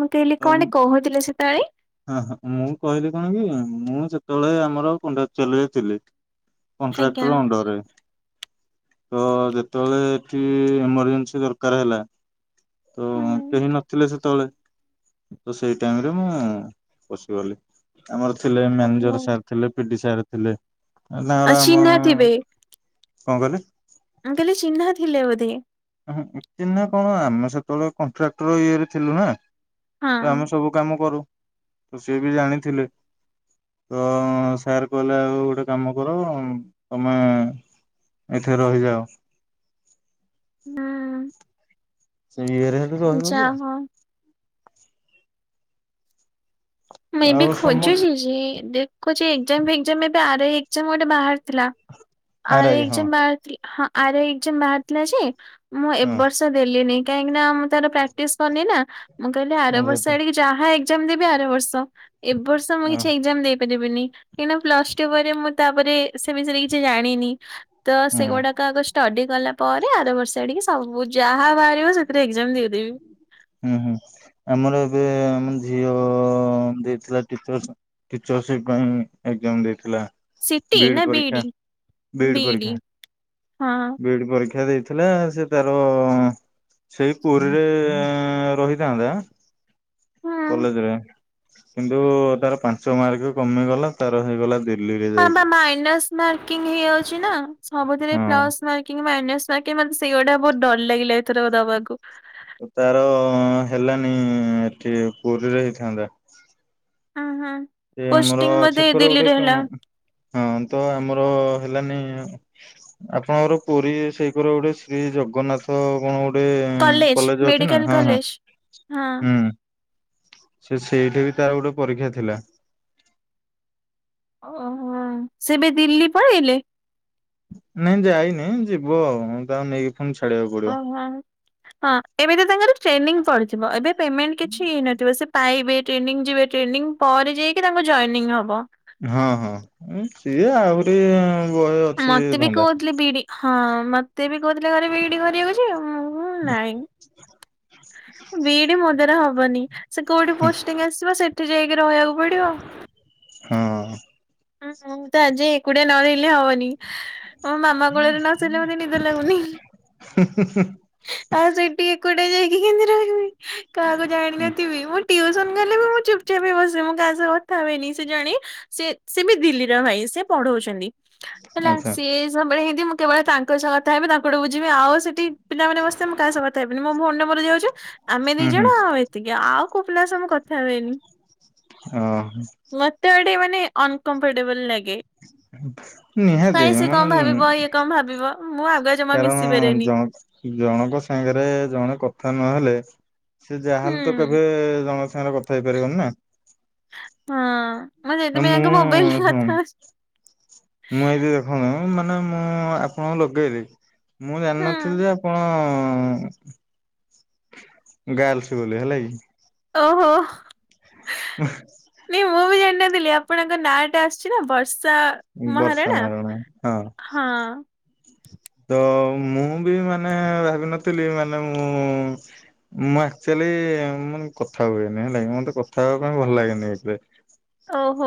ମୁଁ କହିଲି ଆଉ କଣଟେ କହୁଥିଲେ ସେତେବେଳେ ହଁ ହଁ ମୁଁ କହିଲି କଣ କି ମୁଁ ଯେତବେଳେ ଆମର କଣ୍ଡାଚୁଆଲ ରେ ଥିଲି ଆଜ୍ଞା କଣ୍ଟ୍ରାକ୍ଟର ଅଣ୍ଡରେ । ତ ଯେତବେଳେ ଏଠି ଏମରଜେନ୍ସି ଦରକାର ହେଲା। ତ କେହି ନଥିଲେ ସେତବେଳେ । ତ ସେଇ ଟାଇମ ରେ ମୁଁ ପଶିଗଲି ଆମର ଥିଲେ ମ୍ୟାନେଜର ହୁଁ। ସାର୍ ଥିଲେ ପିଡି ସାର୍ ଥିଲେ ଆ ତାଙ୍କର ଆମ ଚିହ୍ନା ଥିବେ କଣ କହିଲେ? ମୁଁ କହିଲି ଚିହ୍ନା ଥିଲେ ବୋଧେ । ହୁଁ ଚିହ୍ନା କଣ ଆମେ ସେତବେଳେ କଣ୍ଟ୍ରାକ୍ଟର ଇଏରେ ଥିଲୁ ନା ହଁ। । ତ ଆମେ ସବୁ କାମ କରୁ ତ ସିଏ ବି ଜାଣିଥିଲେ । ତ ସାର୍ କଇଲେ ଆଉ ଗୋଟେ କାମ କର ତମେ ଏଠି ରହିଯାଅ । ହୁଁ । ସେ ଇଏରେ ହେତୁ ରହିଗଲୁ ଆଉ । ମୁଇଁ ଆଉ ବି ଆଉ ସମ ଖୋଜୁଚି ଯେ ଦେଖୁଚି ଏଗଜାମ୍ ଫେଗଜାମ୍ ଏବେ ଆର ଏଗଜାମ୍ ଗୋଟେ ବାହାରି ଥିଲା ଆରେ ଆରାଇ ହଁ ଏଗଜାମ୍ ବାହାର ଥି ହଁ ଆରେ ଏଗଜାମ୍ ବାହାରିଥିଲା ଯେ ମୁଁ ଏ ବର୍ଷ ଦେଲିନି କାହିଁକି ନା ମୁଁ ତାର ପ୍ରାକ୍ଟିସ କରିନେଇନା । ମୁଁ କହିଲି ଆର ହଁ ବର୍ଷ ଯଦି ଏଡିକି ଯାହା ଏଗଜାମ୍ ଦେବି ଆର ବର୍ଷ ଏ ବର୍ଷ ମୁଁ ହଁ କିଛି ଏଗଜାମ୍ ଦେଇ ପାରିବିନି କାହିଁକିନା ପ୍ଲସ ଟୁ ପରେ ମୁଁ ତାପ ରେ ସେ ବିଷୟରେ କିଛି ଜାଣିନି । ତ ହୁଁ ସେଗୁଡାକ ଆଗ ଷ୍ଟଡି ଗଲା ପରେ ଆର ବର୍ଷ ଆଡିକି ସବୁ ଯାହା ବାହାରିବ ସେଥିରେ ଏଗଜାମ୍ ଦେଇଦେବି । ହୁଁ ହୁଁ ଆମର ଏବେ ଆମ ଝିଅ ଦେଇଥିଲା ଟିଚରସ୍ ଟିଚ ରୋଷେଇ କଉଁ ଏଗଜାମ୍ ଦେଇଥିଲା ସିଟି । ବି ଡି ନା ପରୀକ୍ଷା ବିଇଡି ବି ଡି ବିଇଡି ପରୀକ୍ଷା ହଁ ବି ଡି ପରୀକ୍ଷା ଦେଇ ଥିଲା ସେ ତାର ସେଇ ପୁରୀରେ ଏଁ ରହିଥାନ୍ତା। ହଁ। କଲେଜ ରେ କିନ୍ତୁ ତାର ପାଞ୍ଚ ମାର୍କ କମିଗଲା ତାର ହେଇଗଲା ଦି ହଁ ବା ମାଇନାସ୍ ମାର୍କିଂ ହେଇଯାଉଛି ନା ସବୁଥିରେ ପ୍ଲସ୍ ମାର୍କିଂ ମାଇନାସ୍‌ ମାର୍କିଂ ମାତେ ସେଇଗୁଡା ବହୁତଡର ଲାଗିଲା ଏଥର ଦବାକୁ। ହଁ ତାର ହେଲାନି ଏଠି ପୁରୀରେ ହେଇଥାନ୍ତା । ଉଁ ହୁଁ । ସେ ଆମର ଛେକରେ ଗୋଟେ କଣ ହଁ ତ ଆମର ହେଲାନି ଆପଣଙ୍କର ପୁରୀ ସେଇକର ଗୋଟେ ଶ୍ରୀ ଜଗନ୍ନାଥ କଣ ଗୋ ଟେ କଲେଜ ଅଛି ନା ମେଡିକାଲ ହଁ ହଁ କଲେଜ ହଁ। ହୁଁ ସେ ସେ ସେଇଠି ବି ତାର ଗୋଟେ ପରୀକ୍ଷା ଥିଲା । ଓ ହୋ ସେ ଏବେ ଦିଲ୍ଲୀ ପଳେଇଲେ? ନାଇଁ ଯାଇନି ଯିବୁ ଆଉ ତାକୁ ନେଇକି ପୁଣି ଛାଡିବାକୁ ପଡିବ ଓ ହୋ । ହଁ ଏବେ ତ ତାଙ୍କର ଟ୍ରେନିଂ ପଡିଯିବ ଏବେ ପେମେଣ୍ଟ କିଛି ହେଇନଥିବ ସେ ପାଇବେ। ଟ୍ରେନିଂ ଯିବେ ଟ୍ରେନିଂ ପରେ ଯାଇକି ତାଙ୍କ ଜଏନିଂ ହବ । ହଁ ହଁ ସିଏ ଆହୁରି ବହେ ଅଛି ମତେ ବି ଧନ୍ଦା କହୁଥିଲେ ବିଡି ହଁ ମତେ ବି କହୁଥିଲେ ଘରେ ବିଡି କରିବାକୁ ଯେ ମୁଁ ହୁ ନାଇଁ ବିଡି ମୋଦ୍ଵାରା ହବନି । ସେ କୋଉଠି ପୋଷ୍ଟିଂ ଆସିବ ସେଠି ଯାଇକି ରହିବାକୁ ପଡିବ । ହଁ । ହଁ ମୁଁ ତ ଆଜି ଏକୁଟିଆ ନ ରହିଲେ ହବନି । ମୋ ମାମା କୋଳରେ ନ ସୋଇଲେମତେ ନିଦ ଲାଗୁନି ଆଉ ସେଇଠିକେ ଯାଇକି କେମିତି ରହିବି କାହାକୁ ହୁଁ ଜାଣିନଥିବି ମୁଁଟିଉସନ ଗଲେ ବି ମୁଁ ଚୁପଚାପ ବସିଥାଏ। ମୁଁ କାହା ସହ କଥା ହୁଏନି ସେ ଜାଣି ସେ ସେ ବି ଦିଲ୍ଲୀର ଭାଇ ସେ ପଢ଼ଉଛନ୍ତି। ହେଲା ଆଚ୍ଛା ସିଏ ସବବେଳେ ହେନ୍ ମୁଁ କେବଳ ତାଙ୍କ ସହ କଥାହେବି ତାଙ୍କୁଠୁ ବୁଝିବି ଆଉ ସେଠି ପିଲାମାନେ ବସିଥିବେ ମୁଁ କାହା ସହ କଥା ହେବିନି ମୋ ଭଉଣୀ ର ମୋର ଯାଉଛୁ। ଆମେ ଦି ହୁଁ ଜଣ ହୁଁ ଆଉ ଏତିକି ଆଉ କୋଉ ପିିଲାଙ୍କସ କଥା ଥା ହୁଏନି ଅ ମତେ ଗୋଟେ ମାନେ ଅନକମ୍ଫର୍ଟେବଲ ଲାଗେ। ନିହାତି କାଳେ ସେ କଣ ମାନେ ଭାବିବ ଇଏ କଣ ଭାବିବ ମୁଁ ଆଗୁଆ ଜମା କାରଣ ମିଶି ପାରେନି। ଜଣ ଜଣଙ୍କ ସାଙ୍ଗରେ ଜଣେ କଥା ନହେଲେ ସେ ହୁଁ ଯାହାହେଲେ ତ କେବେ ଜଣଙ୍କ ସାଙ୍ଗରେ କଥା ହେଇପାରିବନି ନା। ହଁ। ଆ ସେଥିପାଇଁ ମୁଁ ଆଙ୍କ ମୋବାଇଲରେ କଥା ମୁଁ ଏଇଠି [unintelligible] ମୁଁ ମାନେ ମୁଁ ଆପଣଙ୍କୁ ଲଗେଇଲି ମୁଁ ଜାଣିନଥିଲି ହୁଁ ଯେ ଆପଣ ହଁ ଗାର୍ଲସ ବୋଲି ହେଲା କି। ଓହୋ। ନାଇଁ ମୁଁ [unintelligible] ବି ଆପଣଙ୍କ ନାଁ ଟା ଆସୁଛି ନା ବ ସା ବର୍ଷା ମହାରାଣା ମହାରଣା ହଁ। ତ ମୁଁ ବି ମାନେ ଭାବିନଥିଲି ମାନେ ମୁଁ ମୁଁ ଆକ୍ଚୁଆଲି ମୁଁ କଥା ହୁଏନି ହେଲାକି ମତେ କଥା ହବା ପାଇଁ ଭଲ ଲାଗେନି ଏତେ। ଓହୋ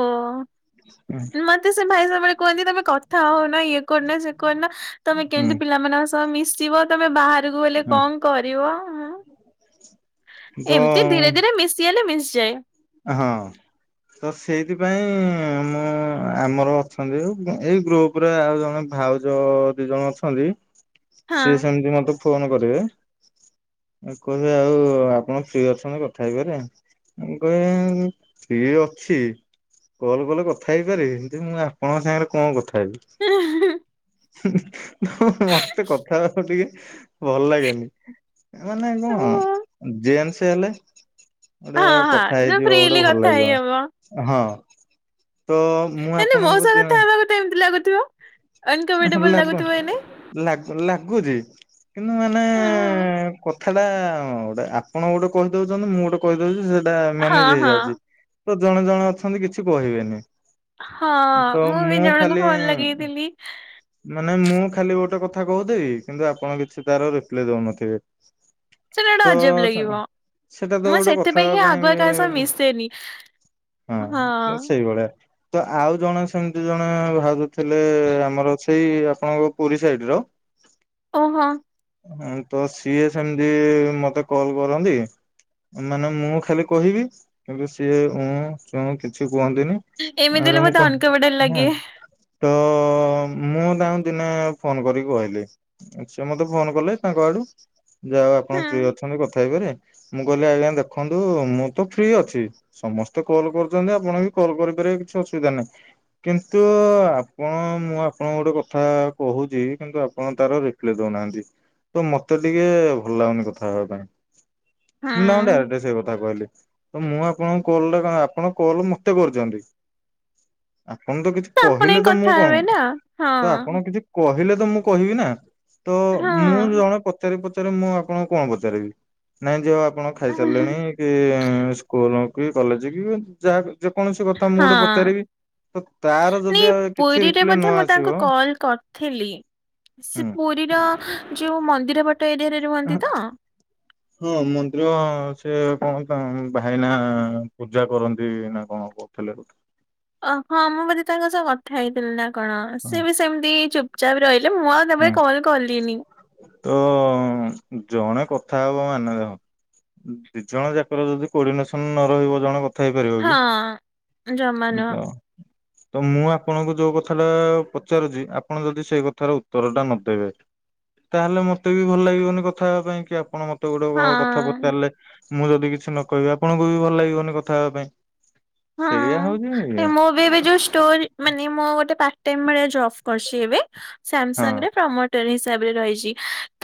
ମତେ ସେ ଭାଇ ସବୁବେଳେ କୁହନ୍ତି ତମେ କଥା ହଉନ ଇଏ କରୁନ ସେ କରୁନ ତମେ ହୁଁ କେମିତି ପିଲାମାନଙ୍କ ସହ ମିଶି ଯିବ ତମେ ବାହାରକୁ ଗଲେ ହୁଁ କଣ କରିବ? ତ ଏମିତି ଧୀରେ ଧୀରେ ମିଶିଗଲେ ମିଶିଯାଏ। ହଁ। ତ ସେଇଥିପାଇଁ ମୁଁ ଆମର ଅଛନ୍ତି ଏଇ ଗ୍ରୁପ ରେ ଆଉ ଜଣେ ଭାଉଜ ଦି ଜଣ ଅଛନ୍ତି ସିଏ ସେମିତି ମତେ ଫୋନ କରିବେ। କହେ ଆଉ ଆପଣ ଫ୍ରୀ ଅଛନ୍ତି କଥା ହେଇପାରିବା। [unintelligible] ଫ୍ରୀ ଅଛି। କଲ କଲେ କଥା ହେଇପାରିବି କିନ୍ତୁ ମୁଁ ଆପଣଙ୍କ ସାଙ୍ଗରେ କଣ କଥାହେବି? ହ ମତେ କଥା ହବାକୁ ଟିକେ ଭଲ ଲାଗେନି। ମାନେ ହଁ। କଣ ଜେନ୍ସ ହେଲେ ହଁ ଗୋଟେ ହଁ କ ଥା ଯୋଉ ହେଇଯିବ ଗୋଟେ ଫ୍ରିଲି ଭଲ କଥା ହେଇ ଲାଗିବ ହବ ହଁ। ତ ମୁଁ ନାଁ ନାଁ ମୋ ଆପଣଙ୍କୁ ସହ କଥା ହବାକୁ ତ ଏମିତି ଲାଗୁଥିବ। ଭଲ ଅନକମ୍ଫର୍ଟେବଲ ଲାଗୁ ଲାଗୁଥିବ ଏଇନେ ଲାଗ ଲାଗୁଛି କିନ୍ତୁ ମାନେ ହଁ କଖାଟା ଗୋଟେ ଆପଣ ଗୋଟେ କହିଦଉଛନ୍ତି ମୁଁ ଗୋଟେ କହିଦଉଛି ସେଇଟା ହଁ ମ୍ୟାନେଜ ହଁ। ହେଇଯାଉଛି। ତ ଜଣେ ଜଣେ ଅଛନ୍ତି କିଛି କହିବେନି ହଁ ତ ବି ମୁଁ ଜଣଙ୍କୁ ଖାଲି ଫୋନ ଲଗେଇଥିଲି ମାନେ ମୁଁ ଖାଲି ଗୋଟେ କଥା କହୁଥିବି କିନ୍ତୁ ଆପଣ କିଛି ତାର ରିପ୍ଲାଇ ଦଉନଥିବେ। ସେଟା ଗୋଟେ ତ ଅଜବ ଲାଗିବ। ସେଟା ତ ମୁଁ ଗୋଟେ କଥା ସେଥିପାଇଁ ହିଁ ଆଗୁଆ କାହା ସହ ପାଇଁ ମିଶେନି। ହଁ ସେଇଭଳିଆ ତ ଆଉ ଜଣେ ସେମିତି ଜଣେ ଭାଉଜ ଥିଲେ। ଆମର ସେଇ ଆପଣଙ୍କ ପୁରୀ ସାଇଡ ର ଓହୋ ହୁଁ ତ ସିଏ ସେମିତି ମତେ କଲ କରନ୍ତି ମାନେ ମୁଁ ଖାଲି କହିବି କି ସିଏ ଉଁୁଁ କିଛି କୁହନ୍ତିୁନି ଏମିତି ହେଲେ ମୁଁ ବୋଧେ କ ଅନକମ୍ଫର୍ଟେବଲ ହଁ ଲାଗେ ତ ମୁଁ ତାଙ୍କୁ ଦିନେ ଫୋନ କରିକି କହିଲି ସେ ମତେ ଫୋନ କଲେ ତାଙ୍କ ଆଡୁ ଯାହାଉ ଆପଣ ହୁଁ। ପ୍ରିୟ ଅଛନ୍ତି କଥା ହେଇବାରେ ମୁଁ କଲି ଆଜ୍ଞା ଦେଖନ୍ତୁ ମୁଁ ତ ଫ୍ରି ଅଛି ସମସ୍ତେ କଲ୍ କରୁଛନ୍ତି ଆପଣ ବି କଲ କର କିଛି ଅସୁବିଧା ନାହିଁ କିନ୍ତୁ ଆପଣ ମୁଁ ଆପଣ ଗୋଟେ କଥା କହୁଛି କିନ୍ତୁ ଆପଣ ତାର ରିପ୍ଲାଇ ଦଉନାହାନ୍ତି ତ ମତେ ଟିକେ ଭଲ ଲାଗୁନି କଥା ହେବା ପାଇଁ ମୁଁ ତାଙ୍କୁ ହୁଁ ଡାଇରେକ୍ଟ ସେଇ କଥା କହିଲି ତ ମୁଁ ଆପଣଙ୍କ କଲ ଟା ଆପଣ କଲ ମତେ କରୁଛନ୍ତି ଆପଣ ତ କିଛି ଆପଣ ହିଁ କହିଲେ ତ କଥା ମୁଁ ହେବେ କଣ ନା ତ ଆପଣ ହଁ କିଛି କହିଲେ ତ ମୁଁ କହିବି ନା ତ ମୁଁ ହଁ। ଜଣେ ପଚାରି ମୁଁ ଆପଣଙ୍କୁ କଣ ପଚାରିବି ନାଇଁ ଯେଅ ଆପଣ ହଁ ଖାଇସାରିଲେଣି କି ସ୍କୁଲ କଲେଜ କି ଯାହା ଯେକୌଣସି କଥା ମୁଁ ଗୋଟେ ପଚାରିବି ତ ତାର ନାଇଁ ଯଦି ଆଉ କିଛି ପୁରୀରେ ରିପ୍ଲାଏ ନ ବୋଧେ ମୁଁ ଆସ ତାଙ୍କୁ କଲ କରିଥିଲି ସେ ହୁଁ ପୁରୀର ଯୋଉ ମନ୍ଦିରଟ ହଁ ମନ୍ଦିର ସେ କଣ ତ ଭାଇନା ପୂଜା କରନ୍ତି ନା କଣ କହୁଥିଲେ ର ଓ ହଁ ମୁଁ ବଦି ତାଙ୍କ ସହ କଥା ହେଇଥିଲି ନା କଣ ସିଏ ବି ସେମିତି ଚୁପଚାପ ରହିଲ ହୁଁ ତ ଜଣେ କଥା ହବ ମାନେ ଦେଖ ଦିଜଣ ଯାକର ଯଦି କୋର୍ଡିନେସନ ନ ରହିବ ଜଣେ ଥା ହେଇପାରିବ କି ହଁ ଜମା ନୁହଁ ତ ମୁଁ ଆପଣଙ୍କୁ ଯୋଉ କଥା ଟା ପଚାରୁଛି ଆପଣ ଯଦି ସେଇ କଥାର ଉତ୍ତର ଟା ନଦେବେ ତାହେଲେ ମତେ ବି ଭଲ ଲାଗିବନି କଥା ହେବା ପାଇଁ କି ଆପଣ ମତେ ଗେ ଗୋଟେ କଥା ହଁ। ପଚାରିଲେ ମୁଁ ଯଦି କିଛି ନ କହିବି ଆପଣଙ୍କୁ ବି ଭଲ ଲାଗିବନି କଥା ହେବା ପାଇଁ ସେଇଆ ହଉଛି ହଁ ଇଏ ମୁଁ ବି ଏବେ ଯୋଉୋ ଷ୍ଟୋରି ମାନେ ମୋ ଗୋଟେ ଜବ୍ କରଛି ଏବେ ହଁ ସାମସଙ୍ଗ ରେ ପ୍ରମୋଟର ହିସାବରେ ରହିଛି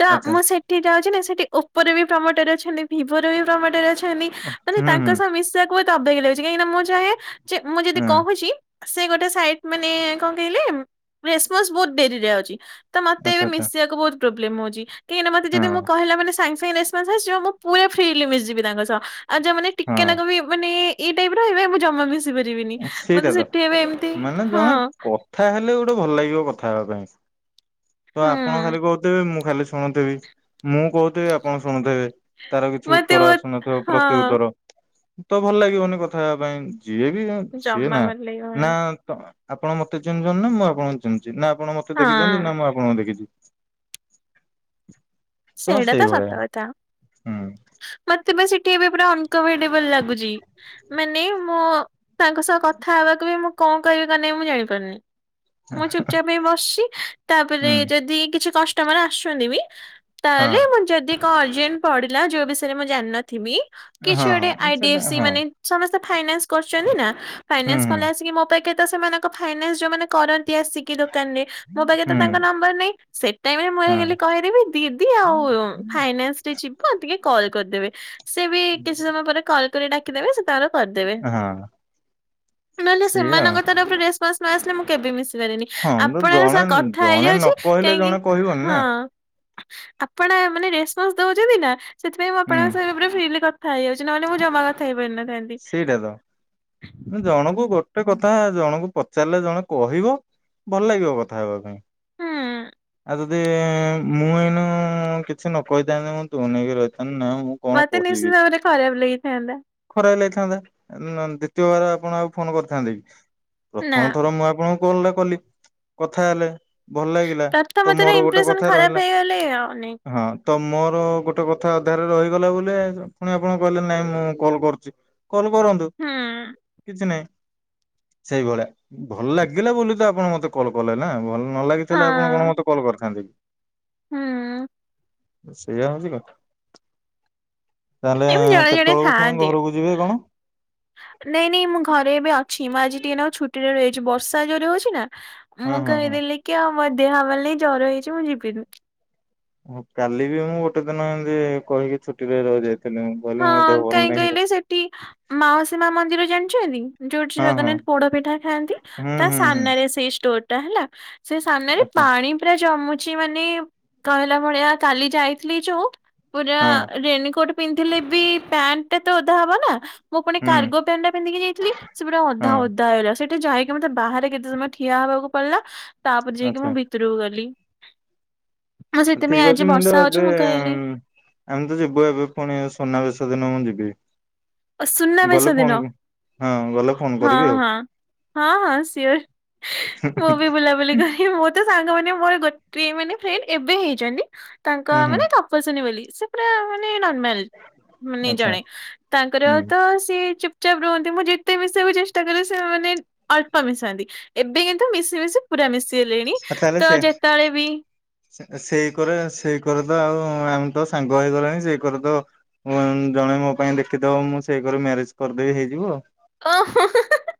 ତ ଆଚ୍ଛା ମୁଁ ସେଠି ଯାଉଛି ନା ସେଠି ଓପୋ ର ବି ପ୍ରମୋଟରେ ଅଛନ୍ତି ଭିିବୋ ର ବି ପ୍ରମୋଟରେ ଅଛନ୍ତି ମାନେ ହୁଁ ତାଙ୍କ ହୁଁ ସହ ମିଶିବାକୁ ହ ତ ଅ ଲାଗୁଛି କାହିଁକିନା ମୁଁ ଚାହେ ଯେ ମୁଁ ଯଦି ହଁ କହୁଛି ସେ ଗୋଟେ ସାଇଟ ମାନେ କଁ କହିଲେ ରେସପନ୍ସ ବହୁତ ଡେରିରେ ଅଛି ତ ମତେଏବେ ଆଚ୍ଛା ଆଚ୍ଛା ମିଶିବାକୁ ବହୁତ ପ୍ରୋବଲେମ ହଉଛି କାହିଁନା ମତେ ଯଦି ମୁ ହଁ କିହିଲା ମାନେ ସା [inaudible] ମୁଁ ପୁରା ଫ୍ରିଲି ମିଶିଯିବି ତାଙ୍କ ସହ ଆ ଯ ମାନେ ଟିକେନାକୁ ହଁ ବି ମାନେ ଏ ଏଇ ଟାଇପର ହେବେ ମୁ ଜମା ମିଶିବିନି ସେଇଟା ତ ମାନେ ହଁ ଜଣେ କଥା ହେଲେ ଗୋ [inaudible] ଭଲ ଲାଗିବ କଥା ହେବା ପାଇଁ ତ ଆପଣ ହୁଁ ଖାଲି କହୁଥିବେ ମୁଁ ଖାଲି ଶୁଣୁଥିବି ମୁଁ ତକହୁଥିବି ଆପଣ ଶୁଣୁଥିବେ ତାର କିଛି ମତେ ଉତ୍ତର ବହୁତ ଆସୁନଥିବ ପ୍ରତି ଉତ୍ତର ହଁ ତ ଭଲ ଲାଗିବନି କଥା ହେବା ପାଇଁ ଯିଏ ବି ସି ଏ ଜମା ନା ଭଲ ଲାଗିବନି ନା ତ ଆପଣ ମତେଚିହ୍ନିଛନ୍ତି ନା ମୁଁ ଆପଣଙ୍କୁ ଚିହ୍ନିଛି ନା ଆପଣ ମତେ ଦେଖିଛନ୍ତି ହଁ ନା ମୁଁ ଆପଣଙ୍କୁ ଦେଖିଛି ସେଇଡ଼ା ତ ସତକଥା ହୁଁ ମତ୍ [inaudible] ସେଠି ଏବେ ପୁରା ଅନକମ୍ଫର୍ଟେବଲ ଲାଗୁଛି ମାନେ ମୁଁ ତାଙ୍କ ସହ କଥା ହେବାକୁ [inaudible] ମୁଁ କଁ କହିବି ମାନେ ମୁଁ ଜାଣିପାରୁନି ମୁଁ ଚୁପଚାପ‌‌ ହେ ବସିଛି ତାପରେ ହୁଁ ଯଦି କିଛି କଷ୍ଟମର ଆସୁଛନ୍ତି ବି ହଁ ତାହେଲେ ମୁଁ ଯଦି କଁ ଅର୍ଜେଣ୍ଟ ପଡିଲା ଯୋଉ ବିଷୟରେ ମୁଁ ଜାଣିନଥିବି କିଛି ହଁ ଗୋଟେ ହଁ ସେଟା ଆଇଡିଏଫ୍ ସି ହଁ ମାନେ ସମସ୍ତେ ଫାଇନାନ୍ସ କରଛନ୍ତି ନା ହୁଁ ଫାଇନାନ୍ସ ହୁଁ କଲେ ଆସିକି ମୋ ପା [inaudible] ସେମାନଙ୍କ ଫାଇନ୍ସ ଯୋଉ ମାନେ କରନ୍ ଆସିକି ଦୋକାନ ରେ ମୋ ପାଖରେ ତ ହୁଁ ତାଙ୍କ ନମ୍ବର ନହିଁ ସେଟାଇମରେ ମୁଁ ହଁ ହେଇଗଲି କହିଦେବି ଦିଦି ଆଉ ଫାଇନାନ୍ସରେ ଯିବ ଆଉ ଟିକେ କଲ୍ କରିଦେବେ ସେବି କିଛି ସମୟ ପରେ କରି ଡାକିଦେବେ ସେ ତାଙ୍କର କରିଦେବେ ହଁ ନହେଲେ ସେଇଆ ସେମାନଙ୍କ ତରଫରୁ ରେସ ସ୍ପନ୍ସ ନଆସିଲେ ମୁଁ କେବେ ମିଶି ପାରେନି ହଁ ତ ଆପଣଙ୍କ ଜଣେ ସହ କଥା ଜଣେ ନ ହେଇଯାଉଛି କହିଲେ କାହିଁକି ଜଣେ କହିବନି ନା ହଁ। ଆପଣ ମାନେ ରେସପନ୍ସ ଦଉଛନ୍ତି ନା ସେଥିପାଇଁ ମୁଁ ହୁଁ ଆପଣଙ୍କ ସହ ଫ୍ରିଲି କ କଥାଯାଉଛି ନ ହେଲେ ମୁଁ ଜମା କଥା ହେଇ ପାରି ସେଇଟା ତ ମୁଁ ଜଣକୁ ଗୋଟେ ଗୋଟେ କଥା ଜଣଙ୍କୁ ପଚାରିଲେ ଜଣେ କହିବ ଭଲ ଲାଗିବ କଥା ହେବା ପାଇଁ। ହୁଁ ଯଦି ମୁଁ ଏଇନୁ କିଛି ନ କହିଥାନ୍ତି ମୁଁ ତୁନି ହେଇକି ରହିଥାନ୍ତି ନା ମୁଁ କଣ ମତେ ନିଶ୍ଚିତ କହିବି ଭାବରେ ଖରାପ ଲାଗିଥାନ୍ତା ତ ଲେଇ ଥାନ୍ତା ନ ଦ୍ଵିତୀୟବାର ଆପଣ ଆଉ ଫୋନ କରିଥାନ୍ତେ କି ନା। ପ୍ରଥମ ଥର ମୁଁ ଆପଣଙ୍କୁ କଲ୍ ଟା କଲି କଥା ହେଲେ ଭଲ ଲାଗିଲା ପ୍ରଥମ ତ ଥର ମୋର ଗୋଟେ ଇମ୍ପ୍ରେସନ କଥା ଖରାପ ରହିଲା ହେଇଗଲେ ଅନେକ ହଁ। ତ ମୋର ଗୋଟେ କଥା ଅଧାରେରେ ରହିଗଲା ବୋଲି ଆଜି ଫୁଣି ଆପଣଙ୍କୁ କହିଲେ ନାଇଁ ମୁଁ କଲ୍ କରୁଚି କଲ୍ କରନ୍ତୁ ହୁଁ କିଛି ନାହିଁ। ସେଇଭଳିଆ ଭଲ ଲାଗିଲା ବୋଲି ତ ଆପଣ ମତେ କଲ୍ କଲେ ନା ଭଲ ନ ନ ହଁ। ଲାଗିଥିଲେ ଆପଣ କଣ ମତେ କଲ୍ କରିଥାନ୍ତି କି? ହୁଁ। ସେଇଆ ହଉଛି କଥା ତାହେଲେ ଏମିତି ଜଣେ ଜଣେ କେତେବେଳକୁୁ ଫୁଣି ଥାଆନ୍ତି। ଘରକୁ ଯିବେ କଣ ନାଇଁ ନାଇଁ ମୁଁ ଘରେ ଏବେ ଅଛି ମ ଆଜି ଟିକେ ନାଗୁ ଛୁଟିରେ ରହିଛି ବର୍ଷା ଜୋରରେ ହଉଛି ନା ହଁ ମୁଁ ହଁ ହଁ। କହିଦେଲି କି ଆଉ ମୋର ଦେହ ଭଲ ନାହିଁ ଜର ହେଇଛି ମୁଁ ଯିବିିନି। ହଁ କାଲି ବି ମୁଁ ଗୋଟେ ଦିନ ଏମିତି କହିକି ଛୁଟିରେ ରହି ଯାଇଥିଲି। ହଁ କାଇଁ କହିଲେ ସେଠି ମାଉସୀମା ମନ୍ଦିର ଜାଣିଛନ୍ତି? ଯୋଉଠି ହଁ ହଁ ଜଗନ୍ନାଥ ପୋଡ ପିଠା ଖାଆନ୍ତି ହୁଁ ତା ହୁଁ ହୁଁ ସାମ୍ନାରେ ସେଇ ଷ୍ଟୋର ଟା ହେଲା ସେ ସାମ୍ନାରେ ଆଚ୍ଛା ପାଣି ପୁରା ଜମୁ ଚି ମାନେ କହିଲା ଭଳିଆ କାଲି ଯାଇଥିଲି ଯୋଉ ପୁରା ହଁ ରେନିକୋଟ ଥିଲେ ବି ପ୍ୟାଣ୍ଟ ଟା ତ ଓଦା ହବ ନା ମୁଁ ପୁଣି ହୁଁ କାର୍ଗୋ ପ୍ୟାଣ୍ଟଟା ପିନ୍ଧିକି ଯାଇଥିଲି ସେ ପୁରା ଅଧା ହଁ ଓଦା ହେଇଗଲା ସେ ଯାଇକି ମତେ ବାହାରେ କେତେ ସମୟ ଠିଆ ହବାକୁ ପଡିଲା ତାପରେ ଯାଇକି ଆଚ୍ଛା। ମୁଁ ଭିତରକୁ ଗଲି ମୁଁ ସେଥିପାଇଁ ଠିକ ଆଜି ଅଛି ମୁଁ ତ ବର୍ଷା ହଉଛି ଏବେ ମୁଁ କହିଲି ଆମେ ତ ଯିବୁ ଏବେ ଫୁଣି ସୁନାବେଶ ଦିନ ମୁଁ ଯିବି। ସୁନା ଗଲେ ବେଶ ଫୋନ ଦିନ? ହଁ ଗଲେ ଫୋନ ହଁ କରିବି ଆଉ। ହଁ ହଁ ହଁ ସିଓର ମୁଁ ବି ବୁଲାବୁଲି କରିବି ମୁଁ ତ ସାଙ୍ଗ ମାନେ ମୋର ଗୋଟିଏ ମାନେ ଫ୍ରେଣ୍ଡ ଏବେ ହେଇଛନ୍ତି ତାଙ୍କ ହୁଁ ହୁଁ ମାନେ ତପସ୍ଵିନି ବୋଲି ସେ ପୁରା ମାନେ ନର୍ମାଲ ମାନେ ଆଚ୍ଛା ଜଣେ ତାଙ୍କର ହୁଁ ତ ସେ ଏଇ ଚୁପଚାପ ରୁହନ୍ତି ମୁଁ ଯେତେ ମିଶିବାକୁ ଚେଷ୍ଟା କଲେ ସେ ମାନେ ଅଳ୍ପ ମିଶନ୍ତି ଏବେ କିନ୍ତୁ ମିସିବା ଏବେସେ ପୁରା ମିଶ ଆ ତାହେଲେ ସେ ସେ ସେଇ କରେ ସେଇ କର ତ ଆଉ ଆମେ ତ ସାଙ୍ଗ ହେଇଗଲେଣି ସେ କରେ ତ ହଁ ଜଣେ ମୋ ପାଇଁ ଦେଖିଦବ ମୁଁ ସେଇ କରେ ମ୍ୟାରେଜ୍ କରିଦେବି ହେଇଯିବ । ଓ ହୋ ହିଁ ହିଁ ହିଁ ହିଁ।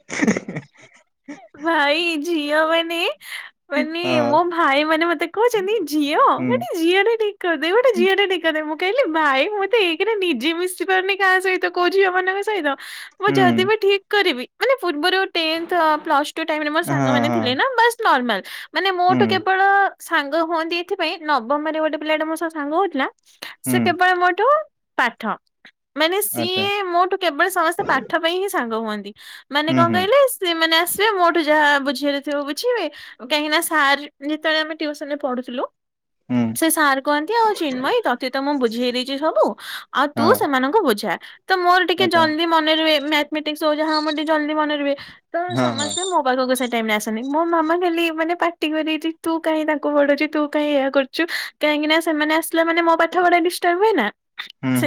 ହିଁ ହିଁ। ଭାଇ ଝିଅ ମାନେ [inaudible] ମାନେ ହଁ ମୋ ଭାଇ ମାନେ ମତେ କହୁଚନ୍ତି ଝିଅ ହୁଁ ଗୋଟେ ଝିଅ ଟେ ଠିକ୍ କରିଦେ ଗୋଟେ ଝିଅ ଟେ ଠିକ୍ କରିଦେ ମୁଁ କହିଲି ଭାଇ ମୁଁତ ଏକରେ ନିଜେ ମିଶି ପାରୁନି କାହା ସହିତ କୋଉ ଝିଅ ମାନଙ୍କ ସହିତ ମୁଁ ହୁଁ ଯଦି ବି ଠିକ୍ କରିବି ମାନେ ପୂବରୁ ଟେନ୍ଥ ଅ ପ୍ଲସ ଟୁ ଟାଇମ ରେ ମୋ ହଁ ସାଙ୍ଗ ମାନେ ହଁ ଥିଲେ ନା ବାସ୍ ନର୍ମାଲ ମାନେ ହୁଁ ମୋଠୁ କେବଳ ସାଙ୍ଗ ହୁଅନ୍ତି ଏଥିପାଇଁ ନବମରେ ଗୋଟେ ପିଲାଟେ ମୋ ସହ ସାଙ୍ଗ ହଉଥିଲା ହୁଁ ସେ କେବଳ ମୋଠୁ ପାଠ ମାନେ ଆଚ୍ଛା ସିଏ ମୋଠୁ କେବଳ ସମସ୍ତେ ପାଠ ପାଇଁ ହିଁ ସାଙ୍ଗ ହୁଅନ୍ ମାନେ ହୁଁ କଣ ହୁଁ କହିଲେ ସେମାନେ ଆସି ମୋଠୁ ଯାହା ବୁଝିଆରଥିବ ବୁଝିବେ କାହିଁକିନା ସାର୍ ଯେତବେଳେ ଆମେ ଟୀଉସନରେ ପଢୁଥିଲୁ ହୁଁ। ସେ ସାର୍ କହନ୍ତି ଆଉ ଚିନ୍ମୟୀ ତତେ ତ ମୁଁ ବୁଝେଇ ଦେଇଚି ସବୁ ଆଉ ତୁ ହଁ ସେମାନଙ୍କୁ ବୁଝା ତ ମୋର ଟିକେ ଆଚ୍ଛା ଜଲଦି ମନେ ରୁହେ ମାଥମେଟିକ୍ସ୍ ହୋଉ ଯାହହୋଉ ମୋର ଟିକେ ଜଲଦି ମନେ ରୁହେ। ତ ହଁ ହଁ। ସମସ୍ତେ ମୋ ପାଖକୁ ସେ ଟାଇମରେ ଆସେନି ମୋ ମାମା ଖାଲି ମାନେ ପାଟି କରିଚି ତୁ କାଇଁ ତାଙ୍କୁ ପଢ଼ଉଛୁ ତୁ କାଇଁ ଏଇଆ କରୁଚୁ କାହିଁକି ନା ସେମାନେ ଆସିଲା ମାନେ ମୋ ପାଠ ପଢ଼ା ଡିସ୍ଟର୍ବ ହୁଏ ନା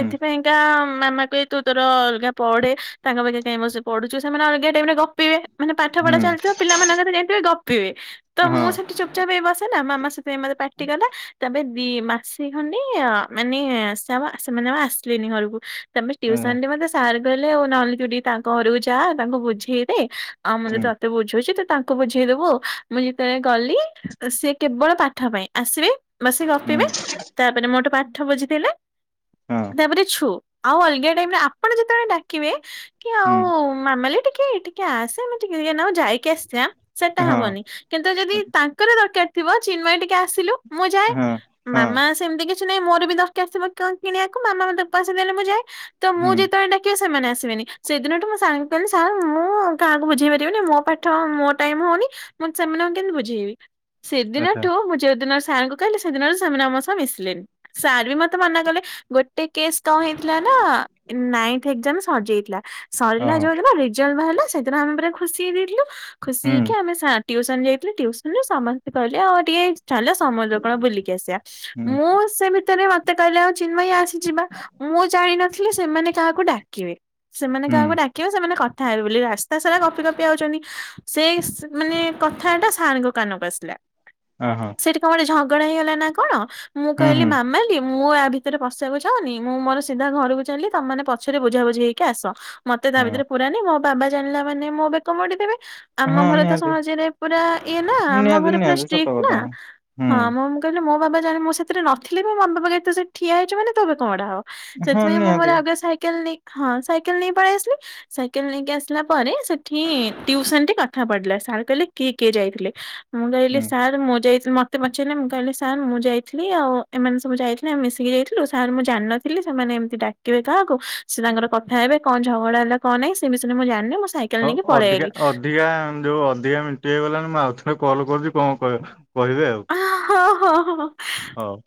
ହୁଁ ମାମା କୁହେ ତୁ ତୋର ଅଲଗା ପଢେ ତାଙ୍କ ପାଖେ କାଇଁ ବସି ପଢୁଚୁ ସେମାନେ ଅଲଗା ଟାଇମରେ ଗପିବେ ମାନେ ପାଠ ପଢା ହୁଁ ଚାଲଥିବ ପିଲାମାନଙ୍କ କଥା ଜାଣଥିବେ ଗପିବେ ତ ହୁଁ ହଁ ମୁଁ ସେଠି ଚୁପଚାପ ହେଇ ବସେ ନା ମାମା ସେଥିପାଇଁ ମତେ ପା କଟିଗଲା ତାପରେ ଦି ମାସେ ଖଣ୍ଡେ ଆ ମାନେ ସେ ଆଉ ସେମାନେ ଆଉ ଆସିଲେନି ଘରକୁ। ତାପରେ ଟ୍ୟୁସନରେ ମତେ ସାର୍ କହିଲେ ଆଉ ନହଲେ ତୁ ଟିକେ ତାଙ୍କ ଘରକୁ ଯା ତାଙ୍କୁ ବୁଝେଇଦେ। ଆଉ ମୁଁ ହୁଁ ବି ହୁଁ ତତେ ବୁଝୋଉଚି ତୁ ତାଙ୍କୁ ବୁଝେଇଦୋବୁ ଆଉ ମୁଁ ଯେତେବେଳେ ଗଲି ସେ କେବଳ ପାଠ ପାଇଁ ଆସିବେ ବସି ଗପିବେ ତାପରେ ମୋଠୁ ପାଠ ବୁଝିଦେଲେ ହଁ ତାପରେ ଛୁ। ଆଉ ଅଲଗା ଟାଇମରେ ଆପଣ ଯେତେବେଳେ ଡାକିବେ କି ଆଉ ହୁଁ ମାମାଲି ଟିକେ ଏଠିକି ଆସେ ମ ଟିକେ ଟିକେ ନାକୁ ଯାଇକି ଆସିିବା ସେଟା ହଁ ହବନି କିନ୍ତୁ ଯଦି ତାଙ୍କର ଦରକାର ଥିବ ଚିନ୍ମୟୀ ଟିକେ ଆସିଲୁ ମୁଁ ଯାଏ ହଁ ହଁ ମାମା ସେମିତିକି କିଛି ନାଇଁ ମୋର ବି ଦରକାର ଥିବ କଣ କିଣିବାକୁ ମାମା ମତେ ପଇସା ଦେଲେ ମୁଁ ଯାଏ, ତ ମୁଁ ହୁଁ ଯେତେବେଳେ ଡାକିବ ସେମାନେ ଆ ଆସିବେନି ସେଦିନଠୁ ମୁଁ ସାର୍ ଙ୍କୁ କହିଲି ସାର୍ ମୁଁ କାହାକୁ ବୁଝେଇପାରି ବିନି ମୋ ପାଠ ମୋ ଟାଇମ ହୋଉନି ମୁଁ ସେମାନଙ୍କୁ କେମିତି ବୁଝେଇବି। ଆଚ୍ଛା ସେଦିନଠୁ ମୁଁ ଯୋଉ ଦିନ ସାର୍ ଙ୍କୁ କହିଲି ସେଦିନରୁ ସେମାନେ ମୋ ସହ ମିଶିଲେନି ସାର୍ ବି ମ ତ ମନା କଲେ ଗୋଟେ କେସ୍ କଣ ହେଇଥିଲା ନାଁ ନାଇନଥ୍ ଏଗଜାମ୍ ସରଯାଇଥିଲା ସରିଲା ଓହୋ ଯୋଉଦିନ ରେଜଲଟ୍ ବାହାରିଲା ସେଦିନ ଆମେ ପୁରା ଖୁସି ହେଇଯାଇଥିଲୁ ଖୁସି ହୁଁ ହେଇକି ଆମେ ସାର୍ ଟ୍ୟୁସନ୍ ଯାଇଥିଲି ଟ୍ୟୁସନରେ ସମସ୍ତେ କହିଲେ ଆଉ ଟିକେ ଚାଲ ସମୁଦ୍ର କୂଳ ବୁଲିକି ଆସିବା ହୁଁ ମୁଁ ସେ ଭିତରେ ମତେ କହିଲେ ଆଉ ଚିନ୍ମୟୀ ଆସେ ଯିବା ମୁଁ ଜାଣିିନଥିଲି ସେମାନେ କାହାକୁ ଡାକିବେ ସେମାନେ କାହାକୁ ହୁଁ ଡାକିବେ ସେମାନେ କ ଥାଏ ବୋଲି ରାସ୍ତା ସାରା ଗପି ଗପି ଆଉଚନ୍ତି ସେଇ ସ୍ ମାନେ କଥାଟା ସାରଙ୍କ କାନକୁ ଆସିଲା। ଓହୋ ସେଠି କଣ ଗୋଟେ ଝଗଡା ହେଇଗଲା ନା କଣ ମୁଁ ହୁଁ କହିଲି ହୁଁ ମାମାଲି ମୁଁ ୟା ଭିତରେ ପଶିବାକୁ ଚାହୁଁନି ମୁଁ ମୋର ସିଧା ଘରକୁ ଚାଲଲି ତମେମାନେ ପଛରେ ବୁଝାବୁଝି ହେଇକି ଆସ। ମତେ ତା ହଁ ଭିତରେ ପୁରାନି ମୋ ବାବା ଜାଣିଲା ମାନେ ମୋ ବେକ ମୋଡିଦେବେ। ଆମ ହଁ ଘରେ ତ ନିହାତି ସହଜରେ ପୁରା ଇଏ ନାଁ ଆମ ନିହାତି ଘରେ ପୁରା ନିହାତି ସତ ଷ୍ଟ୍ରିକଟ୍ କଥା ନାଁ ହୁଁ ହଁ ମୋ ମୁଁ କହିଲି ମୋ ବାବା ଜାଣି ମୁଁ ସେଥିରେ ନଥିଲେ ବି ମୋ ବାବା କହିବେ ତୁ ସେଟ ଠିଆ ହେଇଚୁ ମାନେ ତୋ ବେକ ମୋଡା ହବ। ହଁ ସେଥିପାଇଁ ମୁଁ ମୋର ନିହାତି ଆଗେ ସାଇକେଲ ନେଇ ହଁ ସାଇକେଲ ନେଇ ପଳେଆସଲି ସାଇକେଲ ନେଇକି ଆସିଲା ପରେ ସେ ଠି ଟ୍ୟଉସନଟେ କଥା ପଢିଲା ସାର୍ କହିଲେ କିଏ କିଏ ଯାଇଥିଲେ ମୁଁ କହିଲି ହୁଁ। ସାର୍ ମୁଁ ଯାଇ ମତେ ପଚାରିଲେ ମୁଁ କହିଲି ସାର୍ ମୁଁ ଯାଇଥିଲି ଆଉ ଏମାନେ ସବୁ ଯାଇଥିଲେ ଆମେ ମିଶିକି ଯାଇଥିଲୁ ସାର୍ ମୁଁ ଜାଣିନଥିଲି ସେମାନେ ଏମତି ଡାକିବେ କାହାକୁ ସେ ତାଙ୍କର କଥା ହେବେ କଣ ଝଗଡା ହେଲା କଣ ନାହିଁ ସେ ବିଷୟରେ ମୁଁ ଜାଣିଲେ ମୁଁ ସାଇକେଲ ନେଇକି ପଳେଇ ଅ-ଅଧିକା ଆଇଲି। ଅଧିକା ଯୋଉ ଅଧିକା ମିଣ୍ଟି ହେଇଗଲାଣି ମୁଁ ଆଉ ଥରେ କଲ୍ କରୁଚି କଣ କହିବ? କହିବେ ଆଉ। ଆ ହଁ ହଁ। ହୋଉ।